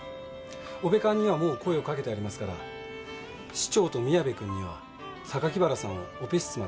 オペ看にはもう声をかけてありますから師長と宮部君には榊原さんをオペ室まで運んでほしいんです。